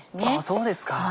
そうですか。